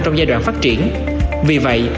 trong giai đoạn phát triển vì vậy